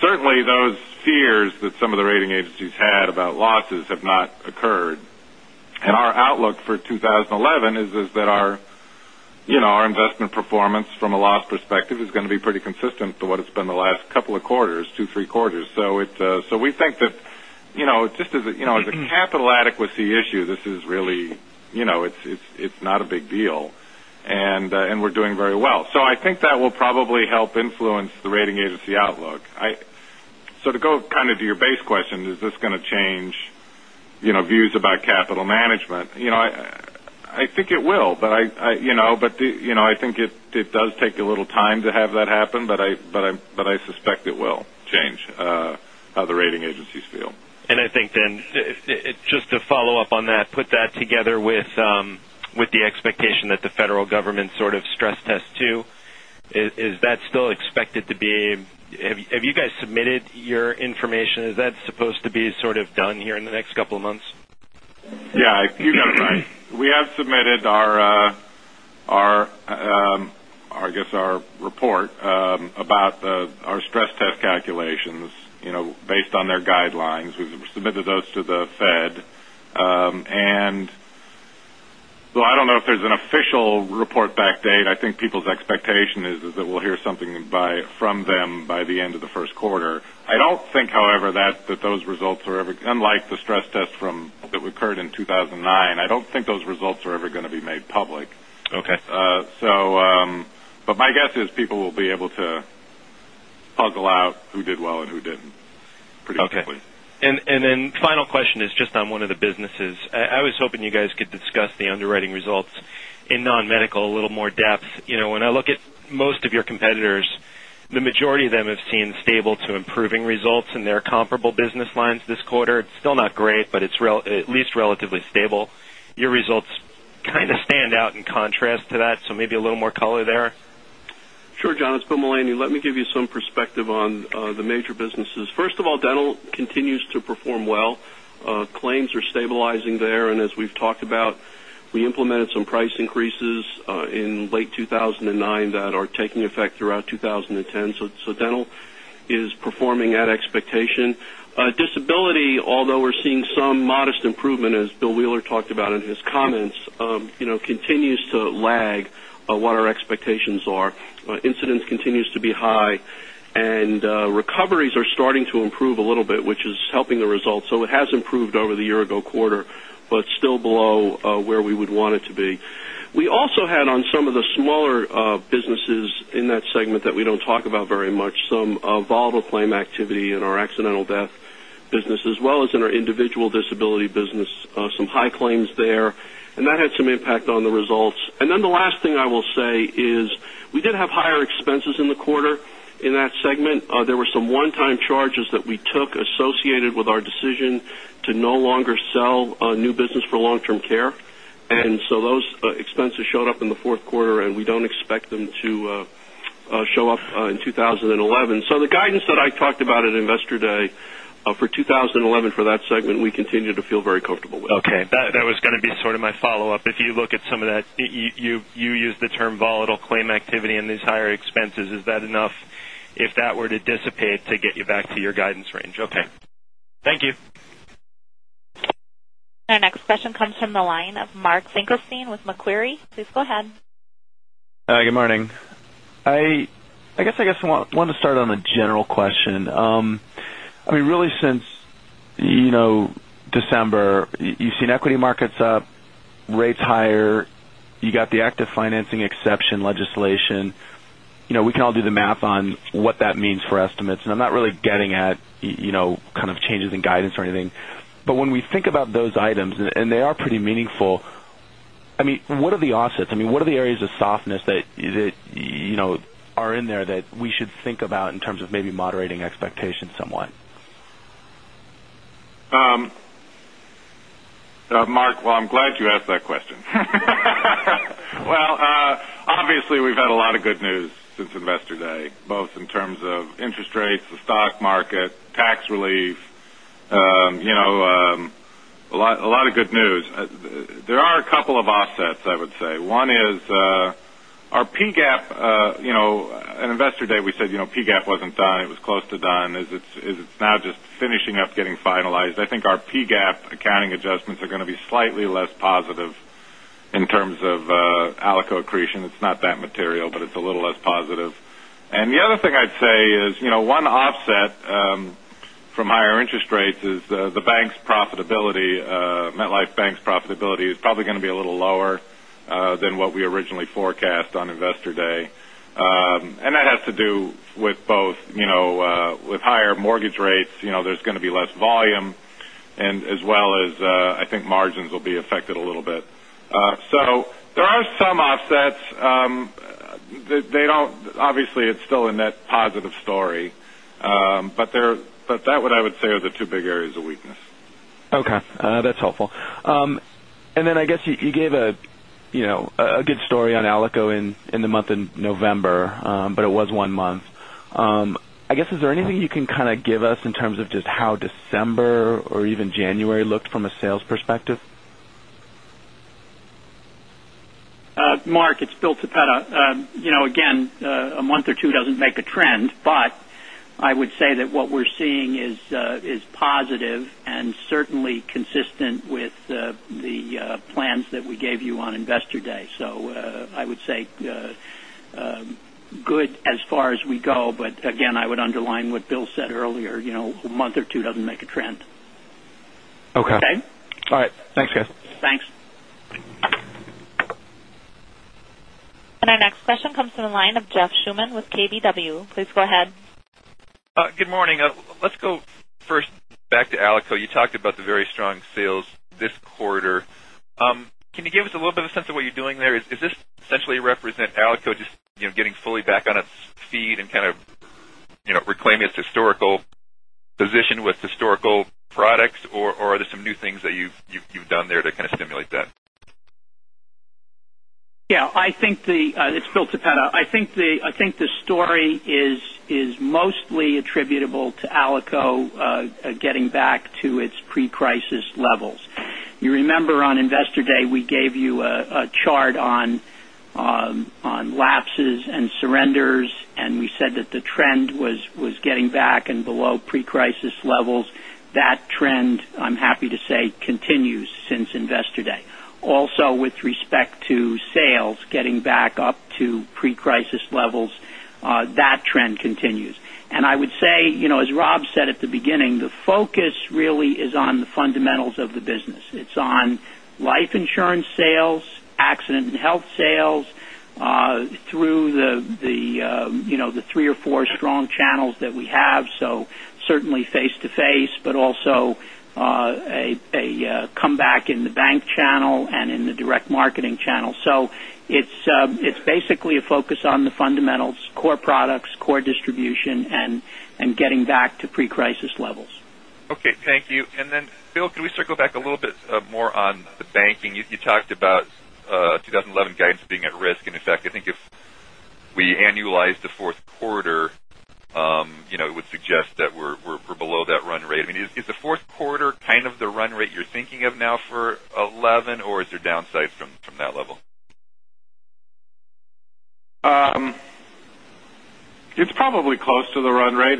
Certainly those fears that some of the rating agencies had about losses have not occurred. Our outlook for 2011 is that our investment performance from a loss perspective is going to be pretty consistent to what it's been the last couple of quarters, two, three quarters. We think that, as a capital adequacy issue, it's not a big deal. We're doing very well. I think that will probably help influence the rating agency outlook. To go kind of to your base question, is this going to change views about capital management? I think it will, but I think it does take a little time to have that happen, but I suspect it will change how the rating agencies feel. I think then, just to follow up on that, put that together with the expectation that the federal government sort of stress tests too. Have you guys submitted your information? Is that supposed to be sort of done here in the next couple of months? Yeah, you got it right. We have submitted our report about our stress test calculations based on their guidelines. We've submitted those to the Fed. Though I don't know if there's an official report back date, I think people's expectation is that we'll hear something from them by the end of the first quarter. I don't think, however, that those results are ever, unlike the stress test that occurred in 2009, I don't think those results are ever going to be made public. Okay. My guess is people will be able to puzzle out who did well and who didn't pretty quickly. Okay. Final question is just on one of the businesses. I was hoping you guys could discuss the underwriting results in non-medical a little more depth. When I look at most of your competitors, the majority of them have seen stable to improving results in their comparable business lines this quarter. It's still not great, but it's at least relatively stable. Your results kind of stand out in contrast to that, maybe a little more color there. Sure, John, it's Bill Mullaney. Let me give you some perspective on the major businesses. First of all, dental continues to perform well. Claims are stabilizing there, and as we've talked about, we implemented some price increases in late 2009 that are taking effect throughout 2010. Dental is performing at expectation. Disability, although we're seeing some modest improvement, as Bill Wheeler talked about in his comments, continues to lag what our expectations are. Incidence continues to be high, and recoveries are starting to improve a little bit, which is helping the results. It has improved over the year-ago quarter, but still below where we would want it to be. We also had on some of the smaller businesses in that segment that we don't talk about very much, some volatile claim activity in our accidental death business, as well as in our individual disability business, some high claims there. That had some impact on the results. The last thing I will say is we did have higher expenses in the quarter in that segment. There were some one-time charges that we took associated with our decision to no longer sell new business for long-term care. Those expenses showed up in the fourth quarter, and we don't expect them to show up in 2011. The guidance that I talked about at Investor Day for 2011 for that segment, we continue to feel very comfortable with. Okay. That was going to be sort of my follow-up. If you look at some of that, you use the term volatile claim activity and these higher expenses. Is that enough, if that were to dissipate, to get you back to your guidance range? Okay. Thank you. Our next question comes from the line of Mark Finkelstein with Macquarie. Please go ahead. Hi, good morning. I guess I wanted to start on a general question. Really since December, you've seen equity markets up, rates higher, you got the active financing exception legislation. We can all do the math on what that means for estimates, and I'm not really getting at kind of changes in guidance or anything. When we think about those items, and they are pretty meaningful, what are the offsets? What are the areas of softness that are in there that we should think about in terms of maybe moderating expectations somewhat? Mark, well, I'm glad you asked that question. Well, obviously, we've had a lot of good news since Investor Day, both in terms of interest rates, the stock market, tax relief. A lot of good news. There are a couple of offsets, I would say. One is our PGAAP. At Investor Day, we said PGAAP wasn't done. It was close to done. It is now just finishing up getting finalized. I think our PGAAP accounting adjustments are going to be slightly less positive in terms of ALICO accretion. It's not that material, but it's a little less positive. The other thing I'd say is one offset from higher interest rates is the bank's profitability. MetLife Bank's profitability is probably going to be a little lower than what we originally forecast on Investor Day. That has to do with both higher mortgage rates. There's going to be less volume, as well as I think margins will be affected a little bit. There are some offsets. Obviously, it's still a net positive story. That what I would say are the two big areas of weakness. Okay. That's helpful. I guess you gave a good story on ALICO in the month in November, but it was one month. I guess, is there anything you can kind of give us in terms of just how December or even January looked from a sales perspective? Mark, it's Bill Toppeta. Again, a month or two doesn't make a trend, I would say that what we're seeing is positive and certainly consistent with the plans that we gave you on Investor Day. I would say good as far as we go, again, I would underline what Bill said earlier. A month or two doesn't make a trend. Okay. Okay? All right. Thanks, guys. Thanks. Our next question comes from the line of Jeff Schuman with KBW. Please go ahead. Good morning. Let's go first back to ALICO. You talked about the very strong sales this quarter. Can you give us a little bit of a sense of what you are doing there? Does this essentially represent ALICO just getting fully back on its feet and kind of reclaiming its historical position with historical products, or are there some new things that you have done there to kind of stimulate that? Yeah. It is Bill Toppeta. I think the story is mostly attributable to ALICO getting back to its pre-crisis levels. You remember on Investor Day, we gave you a chart on lapses and surrenders, we said that the trend was getting back and below pre-crisis levels. That trend, I am happy to say, continues since Investor Day. With respect to sales getting back up to pre-crisis levels, that trend continues. I would say, as Rob said at the beginning, the focus really is on the fundamentals of the business. It is on life insurance sales, accident and health sales through the three or four strong channels that we have. Certainly face to face, but also a comeback in the bank channel and in the direct marketing channel. It is basically a focus on the fundamentals, core products, core distribution, and getting back to pre-crisis levels. Okay, thank you. Then Bill, can we circle back a little bit more on the banking? You talked about 2011 guidance being at risk. In fact, I think if we annualize the fourth quarter, it would suggest that we are below that run rate. Is the fourth quarter kind of the run rate you are thinking of now for 2011, or is there downside from that level? It's probably close to the run rate.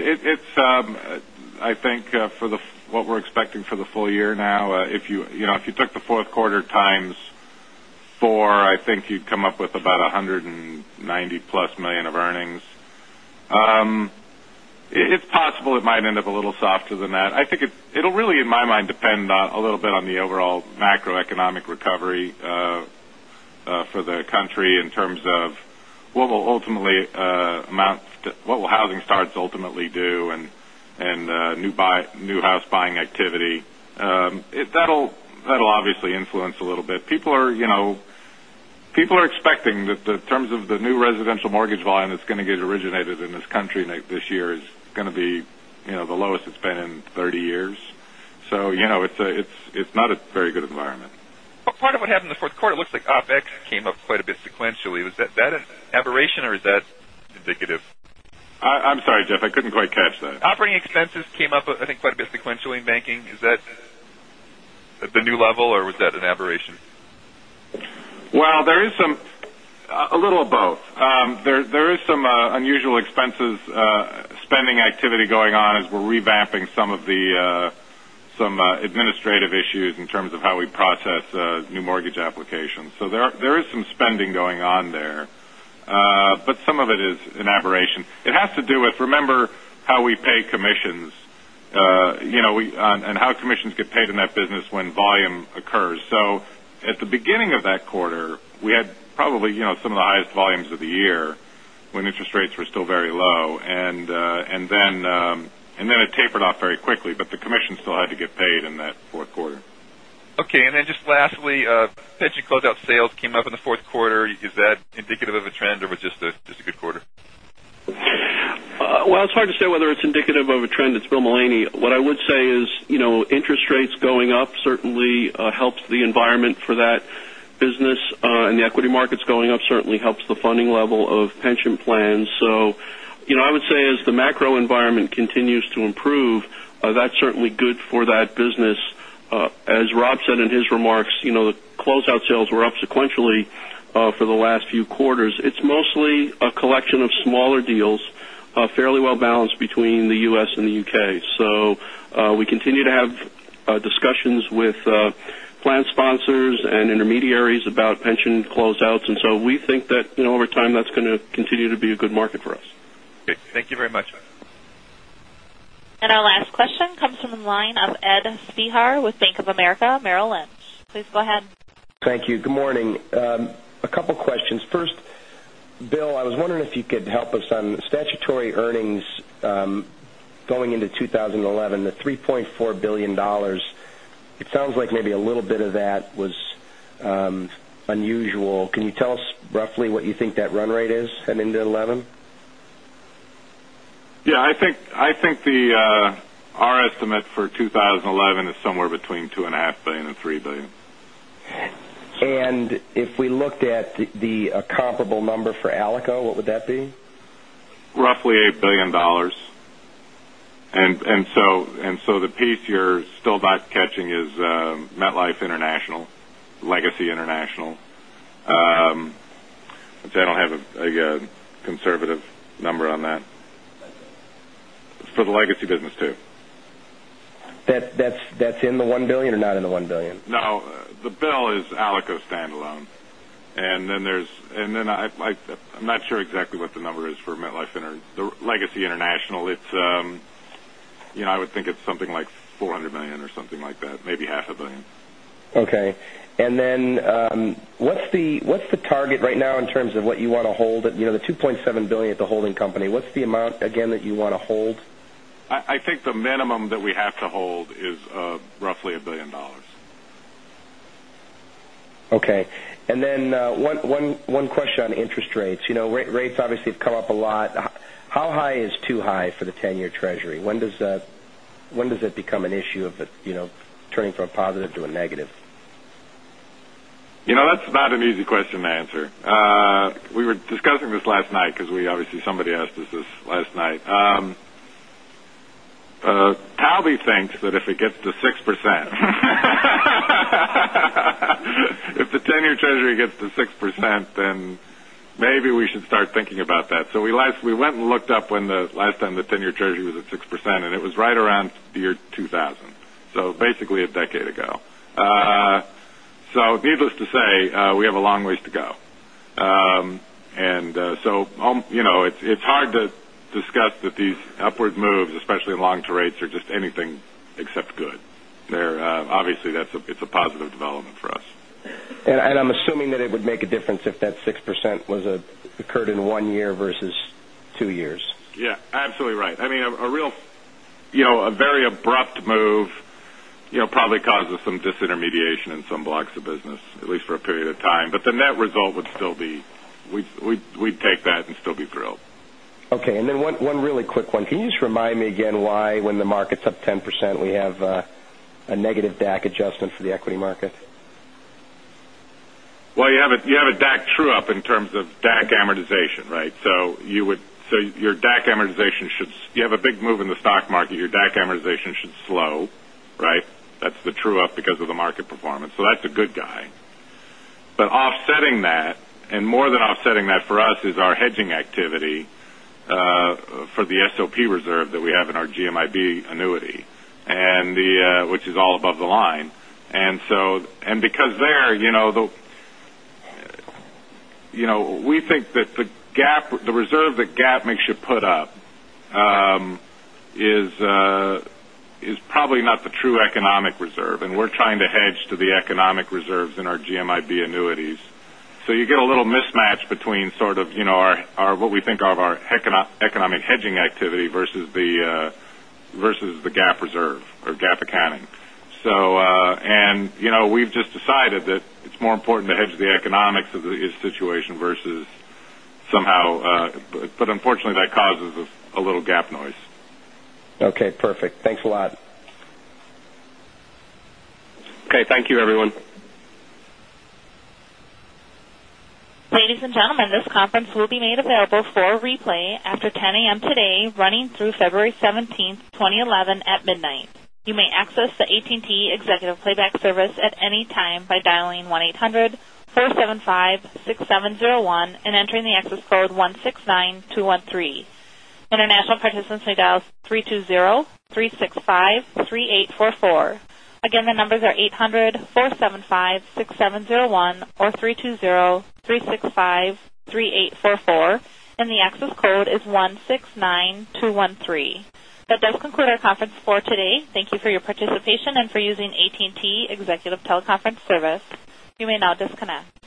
I think for what we're expecting for the full year now, if you took the fourth quarter times four, I think you'd come up with about $190+ million of earnings. It's possible it might end up a little softer than that. I think it'll really, in my mind, depend a little bit on the overall macroeconomic recovery of the country in terms of what will housing starts ultimately do and new house buying activity. That'll obviously influence a little bit. People are expecting that the terms of the new residential mortgage volume that's going to get originated in this country this year is going to be the lowest it's been in 30 years. It's not a very good environment. Part of what happened in the fourth quarter, it looks like OpEx came up quite a bit sequentially. Was that an aberration or is that indicative? I'm sorry, Jeff, I couldn't quite catch that. Operating expenses came up, I think, quite a bit sequentially in banking. Is that at the new level or was that an aberration? Well, a little of both. There is some unusual expenses spending activity going on as we're revamping some administrative issues in terms of how we process new mortgage applications. There is some spending going on there. Some of it is an aberration. It has to do with, remember how we pay commissions and how commissions get paid in that business when volume occurs. At the beginning of that quarter, we had probably some of the highest volumes of the year when interest rates were still very low. It tapered off very quickly, but the commission still had to get paid in that fourth quarter. Okay. Just lastly, pension closeout sales came up in the fourth quarter. Is that indicative of a trend or was it just a good quarter? Well, it's hard to say whether it's indicative of a trend. It's Bill Mullaney. What I would say is interest rates going up certainly helps the environment for that business, and the equity markets going up certainly helps the funding level of pension plans. I would say as the macro environment continues to improve, that's certainly good for that business. As Rob said in his remarks, the closeout sales were up sequentially for the last few quarters. It's mostly a collection of smaller deals, fairly well balanced between the U.S. and the U.K. We continue to have discussions with plan sponsors and intermediaries about pension closeouts. We think that over time, that's going to continue to be a good market for us. Okay. Thank you very much. Our last question comes from the line of Ed Spehar with Bank of America Merrill Lynch. Please go ahead. Thank you. Good morning. A couple questions. First, Bill, I was wondering if you could help us on statutory earnings going into 2011, the $3.4 billion. It sounds like maybe a little bit of that was unusual. Can you tell us roughly what you think that run rate is heading into 2011? Yeah, I think our estimate for 2011 is somewhere between $2.5 billion and $3 billion. If we looked at the comparable number for ALICO, what would that be? Roughly $8 billion. The piece you're still not catching is MetLife International, Legacy International. I don't have a conservative number on that. For the Legacy business, too. That's in the $1 billion or not in the $1 billion? No, the billion is ALICO standalone. I'm not sure exactly what the number is for Legacy International. I would think it's something like $400 million or something like that, maybe half a billion. Okay. What's the target right now in terms of what you want to hold? The $2.7 billion at the holding company, what's the amount again that you want to hold? I think the minimum that we have to hold is roughly $1 billion. Okay. One question on interest rates. Rates obviously have come up a lot. How high is too high for the 10-year Treasury? When does it become an issue of it turning from a positive to a negative? That's not an easy question to answer. We were discussing this last night because obviously somebody asked us this last night. Taby thinks that if it gets to 6%, if the 10-year Treasury gets to 6%, maybe we should start thinking about that. We went and looked up when the last time the 10-year Treasury was at 6%, it was right around the year 2000. Basically a decade ago. Needless to say, we have a long ways to go. It's hard to discuss that these upward moves, especially in long rates, are just anything except good. Obviously, it's a positive development for us. I'm assuming that it would make a difference if that 6% occurred in one year versus two years. Yeah, absolutely right. I mean, a very abrupt move probably causes some disintermediation in some blocks of business, at least for a period of time. The net result would still be we'd take that and still be thrilled. Okay. One really quick one. Can you just remind me again why when the market's up 10%, we have a negative DAC adjustment for the equity market? Well, you have a DAC true-up in terms of DAC amortization, right? You have a big move in the stock market, your DAC amortization should slow, right? That's the true-up because of the market performance. That's a good guy. Offsetting that, and more than offsetting that for us is our hedging activity for the SOP reserve that we have in our GMIB annuity, which is all above the line. Because there, we think that the reserve that GAAP makes you put up is probably not the true economic reserve, and we're trying to hedge to the economic reserves in our GMIB annuities. You get a little mismatch between sort of what we think of our economic hedging activity versus the GAAP reserve or GAAP accounting. We've just decided that it's more important to hedge the economics of the situation versus somehow. Unfortunately, that causes a little GAAP noise. Okay, perfect. Thanks a lot. Okay, thank you, everyone. Ladies and gentlemen, this conference will be made available for replay after 10:00 A.M. today running through February 17th, 2011, at midnight. You may access the AT&T Executive Playback Service at any time by dialing 1-800-475-6701 and entering the access code 169213. International participants may dial 320-365-3844. Again, the numbers are 800-475-6701 or 320-365-3844, and the access code is 169213. That does conclude our conference for today. Thank you for your participation and for using AT&T Executive Teleconference Service. You may now disconnect.